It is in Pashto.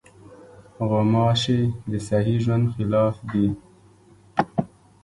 غوماشې د صحي ژوند خلاف دي.